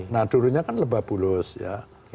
nah dulunya kan lebak bulus ya